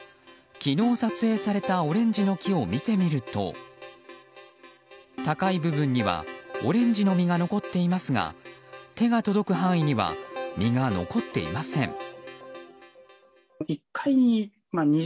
昨日、撮影されたオレンジの木を見てみると高い部分にはオレンジの実が残っていますが手が届く範囲には実が残っていません。